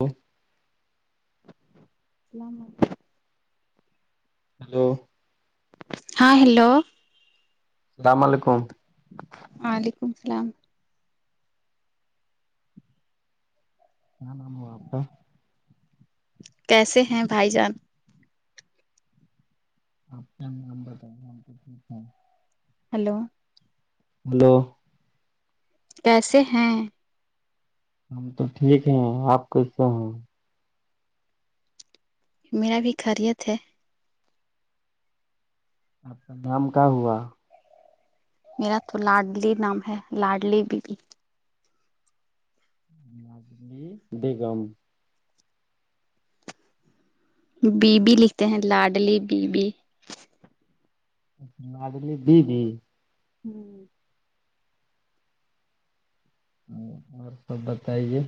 hello اسلام علیکم hello ہاں ہیلو ا سلام علیکم وعلیکم السلام کیا نام ہو آپکا کیسے ہیں بھائی جان آپ کا نام بتاؤ [unintelligible] ہلو ہلو کیسے ہیں ہم تو ٹھیک ہیں آپ کیسے ہیں میرا بھی خیریت ہے آپ کا نام کا ہوا میرا تو لاڈلی نام ہے لاڈلی بی بی لاڈلی بیگم بی بی لکھتے ہیں لاڈلی بی بی لاڈلی بی بی ہمم اور سب بتائیے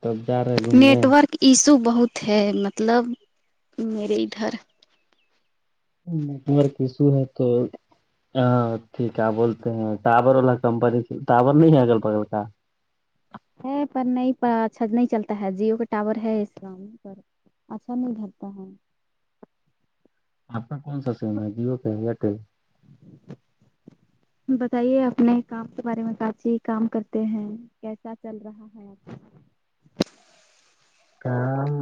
تو اب جا رہے گھومنے نیٹورک ایشو بہت ہے مطلب میرے ادھر تمار کو ایسو رہتا ہے ہاں ٹھیک ہے بولتے ہیں ٹاور والا کمپنی ٹاور نہیں ہے اگل بگل کا ہے پر نہیں اچھا نہیں چلتا ہے جیو کا ٹاور ہے اس اچھا نہیں ہوتا ہے آپ کا کون سا سیم ہے جیو کا یا ایئرٹیل بتائیے اپنے کام کے بارے میں کاچی کام کرتے ہیں کیسا چل رہا ہے کام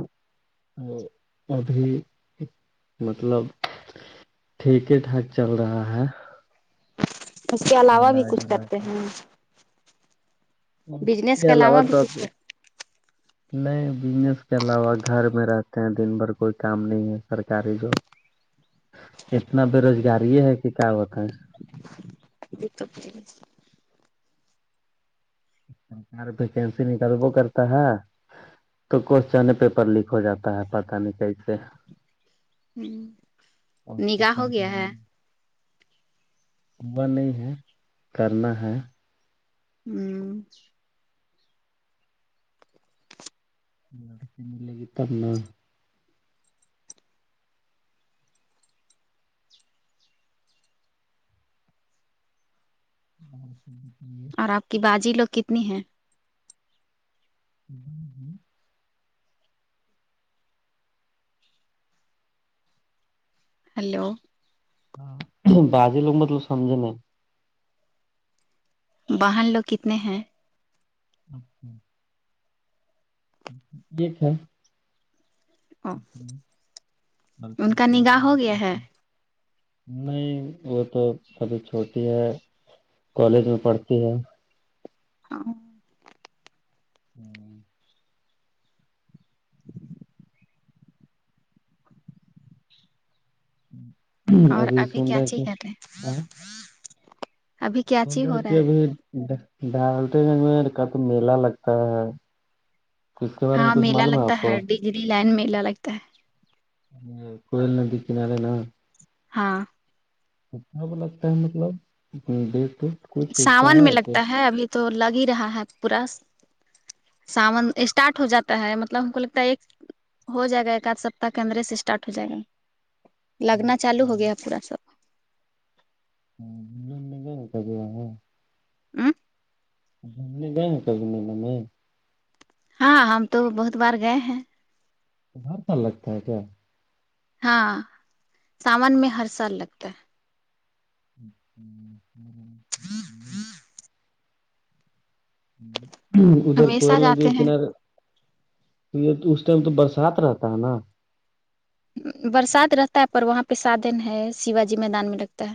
ابھی مطلب ٹھیک ہی ٹھاک چل رہا ہے اس کے علاوہ بھی ملا کچھ جلا کرتے کے ہیں بجنس اسکے کے علاوہ تو بھی نہیں بزنس کے علاوہ گھر میں رہتے ہیں دن بھر کوئی کام نہیں ہے سرکاری جاب اتنا بے روزگاری ہے کی کیا بتائیے [unintelligible] [unintelligible] وہ کرتا ہے تو کوشچن پیپر لیک ہو جاتا ہے پتہ نہیں کیسے ہمم نگا ہو گیا ہے ہوا نہیں ہے کرنا ہے ہمم اچھ [unintelligible] [unintelligible] اور آپ کی باجی لوگ کتنی ہیں [unintelligible] ہیلو ہان باجی لوگ مطلب سمجھے نہیں بہن لوگ کتنے ہیں اچھا ایک ہے ان کا نگاہ ہو گیا ہے [unintelligible] نہیں وہ تو سبھی چھوٹی ہے کالج میں پڑھتی ہے ہاں [unintelligible] اور ابھی سن رہے کہ کیاچیک تے سدھر کہ ابھی ڈالتے [unintelligible] کا تو میلہ لگتا ہے تو اس کے بارے میں کچھ معلوم ہے آپ کو بجلی لائن میں میلا لگتا ہے یے کوئل ندی کنارے نا ہاں اچھا تو لگتا ہے مطلب [unintelligible] کا ساون ہے میں کہ لگتا ہے ابھی تو لگ ہی رہا ہے پورا ساون اسٹارٹ ہو جاتا ہے مطلب ہم کو لگتا ہے ایک ہو جائے گا ایک آدھ سپتاہ کے اندرے سے اسٹارٹ ہو جائے گا لگنا اچھا چالو ہو گیا پورا سب [unintelligible] امم [unintelligible] ہاں ہم تو بہت بار گئے ہیں تو ہر سال لگتا ہے کیا ہاں ساون میں ہر سال لگتا ہے [unintelligible] ادھر کوئل ہمیشہ نادی جاتے کے ہیں کنارے تو یہ اس ٹائم تو برسات رہتا ہے نا برسات رہتا ہے پر وہاں پہ سادن ہے شیواجی میدان میں لگتا ہے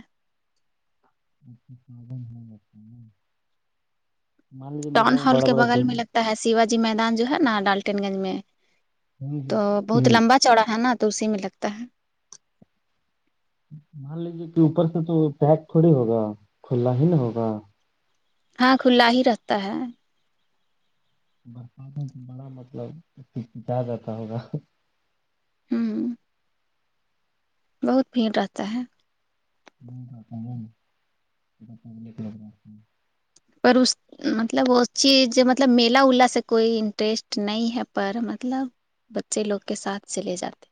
ٹاؤن ہال کے بغل میں [unintelligible] لگتا ہے شیوا جی میدان جو ہے نا ڈالٹین گنج میں تو بہت ہے لمبا چڑا ہے نا تو اسی میں لگتا ہے مان لیجیے کہ اوپر سے تو پیک تھوڑی ہوگا کھلا ہی نا ہوگا ہاں کھلا ہی رہتا ہے برسات سے بڑا مطلب چھا جاتا ہوگا ہ بہت بھیڑ رہتا ہے نہیں بتا ہوں ب [unintelligible] پر اس مطلب وہ چیز مطلب میلا ولا سے کوئی انٹرسٹ نہیں ہے پر مطلب بچے لوگ کے ساتھ چلے جاتے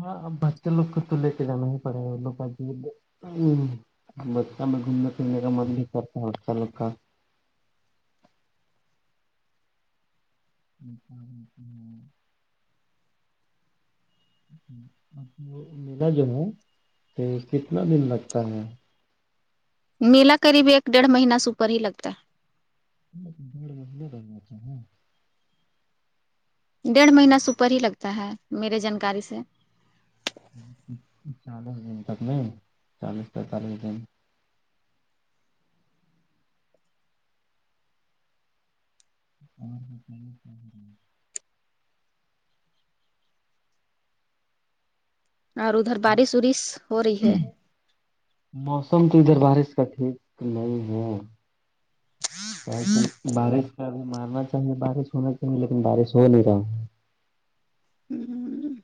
ہاں بچے لوگ کو تو لے کے جانا ہی پڑیگا [unintelligible] ھمم بچہ میں گھومنے پھرنے کا من بھی کرتا بچہ لوگ کا [unintelligible] ملا جو ہے کتنا دن لگتا ہے نیلا قریب ایک ڈیڑھ مہینہ سے اوپر ہی لگتا ہے [unintelligible] ڈیڑھ مہینہ سے اوپر ہی لگتا ہے میرے جانکاری سے چالیس دن تک نہیں چالیس پینتالیس دن ہاں [unintelligible] اور ادھر آپ بارش وارش ہو رہی ہے موسم تو ادھر بارش کا ٹھیک نہیں ہے بارش کا بھی ماننا چاہیے بارش ہونا چاہیے لیکن بارش ہو نہیں رہا ہوں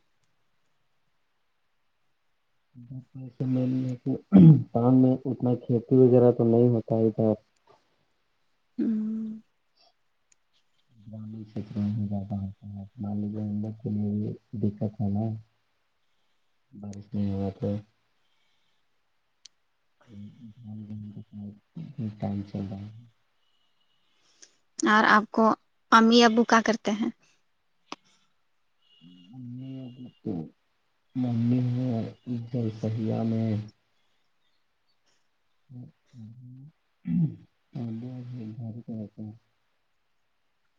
[unintelligible] باند میں اتنا کھیتی وغیرہ تو نہیں ہوتا ادھر گاؤں میں ہی زیادہ ہوتا ہے مان لیجیے ان لوگ کے لیے بھی دککت ہے نا بارش ہو رہی یہاں پے [unintelligible] ٹائم چل رہا ہے اور آپ کو امی ابو کیا کرتے ہیں ممی ابھی تو ممی ہے اور گھر صہیا میں اور ابو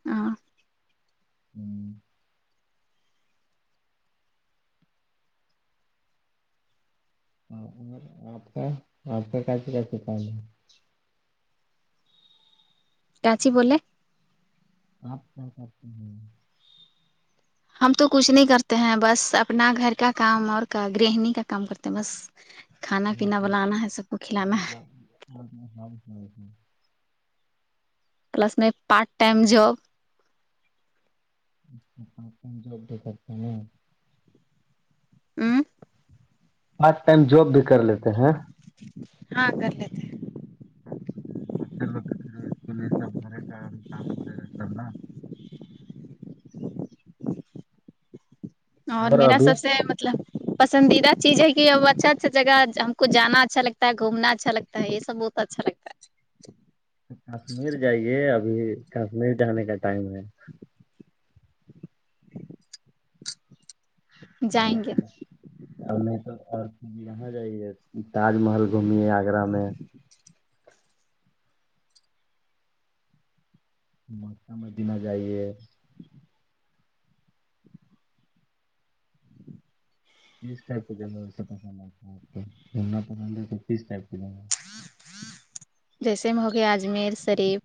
ہاں ھمم ہاں اور آپ کا آپ کا [unintelligible] کام ہے چاچی بولے آپ کیا کرتی ہے ہم تو کچھ نہیں کرتے ہیں بس اپنا گھر کا کام اور گرہنی کا کام کرتے ہیں بس کھانا پینا مطلب بنانا ہے سب کو کھلانا ہے مطلب [unintelligible] کلاس میں پارٹ ٹائم جاب اچھا پارٹ ٹائم جاب بھی کرتے ہیں آمم پارٹ ٹائم جاب بھی کر لیتے ہیں ہاں کر لیتے ہیں اچھا بچے لوگ تو پھر اسکول سب گھر کا کام وغیرہ سب نا اور میرا سب سے مطلب پسندیدہ چیز ہے کہ اب اچھا اچھا جگہ ہم کو جانا اچھا لگتا ہے گھومنا اچھا لگتا ہے یے سب بہت اچھا لگتا ہے کشمیر جائیے ابھی کشمیر جانے کا ٹائم ہے ہے جائیں ساتھ گے میں اور نہیں تو اور یہاں جائیے تاج محل گھومے آگرہ میں مکہ مدینہ جائیے کس ٹائپ کی جگہ پسند ہیں گھومنا پسند ہے تو کس ٹائپ کی جگہ جیسے میں ہو گیا اجمیر شریف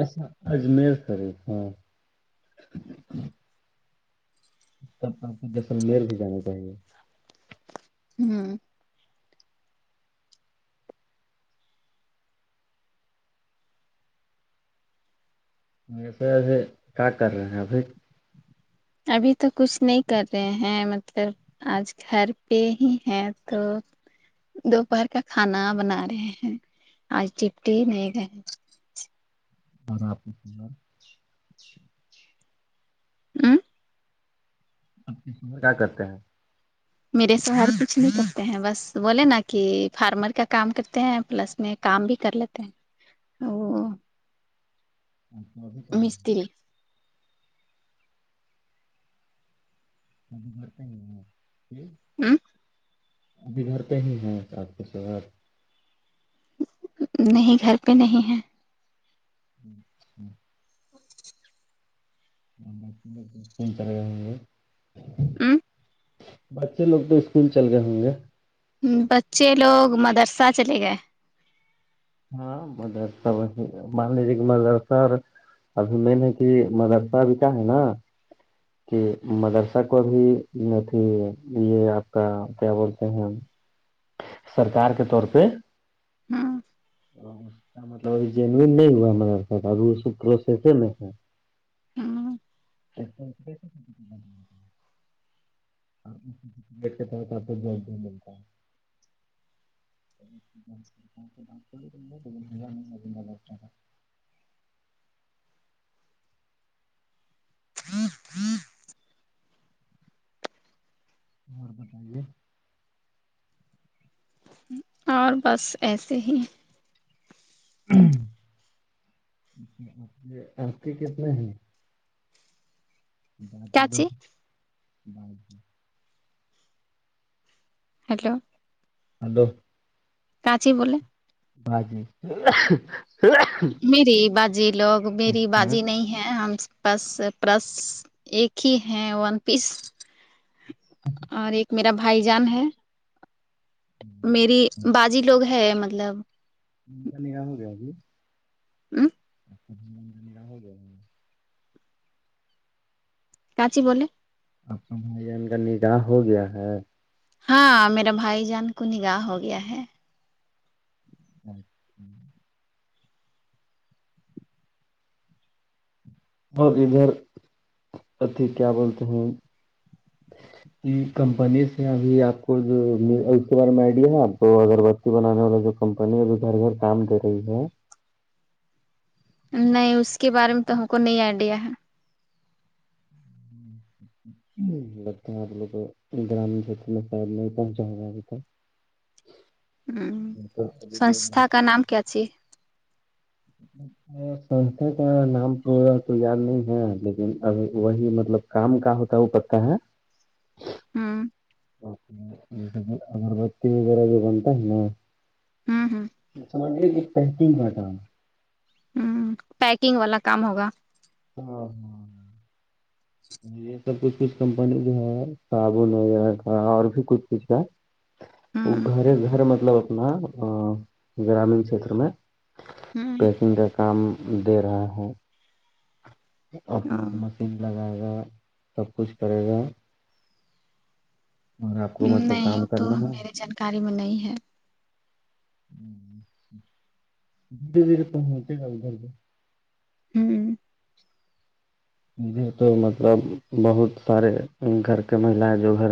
اچھا اجمیر شریف ہے اچھا آپ کو جسلمیر بھی جانا چاہیے ہمم ویسے وسے کیا کر رہے ہیں ابھی ابھی تو کچھ نہیں کر رہے ہیں مطلب آج گھر پے ہی ہیں تو دوپہر کا کھانا بنا رہے ہیں آج چپٹی نہیں ہے اور اپ نے [unintelligible] ج آمم آپ کے شوہر کیا کرتے ہیں میرے شوہر کچھ نہیں کرتے ہیں بس بولے نا کی فارمر کا کام کرتے ہیں پلس میں کام بھی کر لیتے ہیں وہ مستری [unintelligible] فارمر کا کام پلس آمم ابھی گھر پے ہی ہیں کیا آپ کے شوہر نہیں گھر پے نہیں ہے اچھا چلے گئے ہوں گے [unintelligible] آمم بچے لوگ تو اسکول چل گئے ہوں گے بچے لوگ مدرسہ چلے گئے ہاں مدرسہ وسیے مان لیجیے مدرسہ اور ابھی میں نے کی مدرسہ بھی کا ہے نا کہ مدرسہ کو ابھی [unintelligible] یے آپ کا کیا بولتے ہیں سرکار کے طور پے ہ مطلب ابھی جنوین نہیں ہوا مدرسے کا ابھی [unintelligible] ہ [unintelligible] کو جلدی ملتا ہے [unintelligible] [unintelligible] اور بتائیے اور بس ایسے ہی آر کے کتنے ہیں باجی کیاچی لوگ باجی ہیلو ہیلو کاچی بولے باجی میری باجی لوگ میری ہوں باجی نہیں ہیں ہم بس پرس ایک ہی ہے ون پیس اور ایک میرا بھائی جان ہے میری باجی لوگ ہے مطلب م نیا ہو گیا جی اوں جی کاچی بولے آپ کے بھائی جان کا نگاہ ہو گیا ہے ہاں میرا بھائی جان کو نگاہ ہو گیا ہے اچھا وہ ادھر اتیھی کیا بولتے ہیں جی کمپنی سے ابھی آپ کو جو اس بارے میں آئیڈیا ہیں آپ کو اگر بت بنان والا جو کمپنی ہے جو گھر گھر کام دے رہی ہے نہیں اس کے بارے میں تو ہم کو نہیں آئیڈیا ہے ہوں لگتا ہیں آپ لوگ گرام کھیت میں شاید نہیں پہنچا ہوگا ابھی تک ہوں سستھا کا نام کیا چاہیے جی اچھا ہاں سستھا کا نام تو یاد نہیں ہے لیکن اب وہی مطلب کام ہ ہوتا ہوتا کہاں ہوں اگربتی وغیرہ بھی بنتا ہے نا ہ ہ سمجھئیے ایک پینٹگ کا کام ہوں پیکنگ والا کام ہوگا ہاں ہاں جی یہ سب کچھ کچھ کمپنی جو ہے صابن وغیرہ کا اور بھی کچھ کچھ کا ہ وہ گھر گھر مطلب اپنا گرامین چھیتر میں ہ پیکنگ کا کام دے رہا ہے اپنے سے مشین لگائے گا سب کچھ کرے گا اور آپ کو مطلب نہیں کام وہ تو کرنا ہے میرے جانکاری میں نہیں ہے ہ اچھا دھیرے پہنتے ہے گھر میں ہوں یہ تو مطلب بہت سارے گھر کے مہیلا ہے جو گھر میں